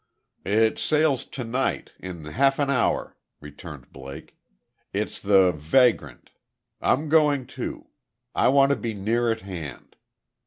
"It sails to night in half an hour," returned Blake. "It's the 'Vagrant'.... I'm going, too.... I want to be near at hand....